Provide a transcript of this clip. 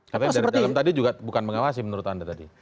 tapi dari dalam tadi juga bukan mengawasi menurut anda tadi